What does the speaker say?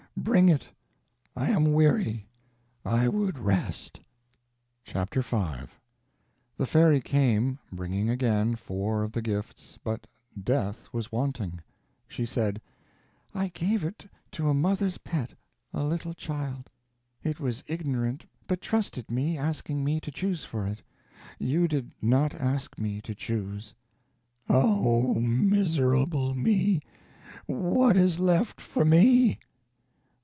Bring it! I am weary, I would rest." Chapter V The fairy came, bringing again four of the gifts, but Death was wanting. She said: "I gave it to a mother's pet, a little child. It was ignorant, but trusted me, asking me to choose for it. You did not ask me to choose." "Oh, miserable me! What is left for me?"